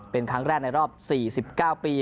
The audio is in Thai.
เป็นครั้งแรกในรอบ๔๙ปี